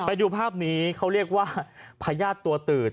ไปดูภาพนี้เขาเรียกว่าพญาติตัวตืด